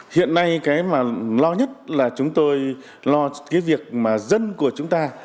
hiện nay cái mà lo nhất là chúng tôi lo cái việc mà dân của chúng ta